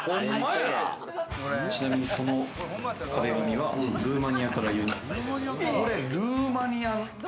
ちなみにその壁紙はルーマニアから輸入された。